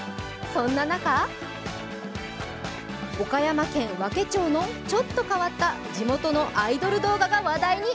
そんな中、岡山県和気町のちょっと変わった地元のアイドル動画が話題に。